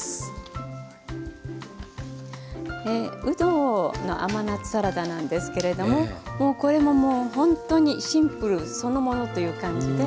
うどの甘夏サラダなんですけれどももうこれももうほんとにシンプルそのものという感じで。